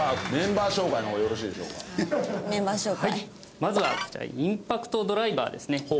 まずはこちらインパクトドライバですね。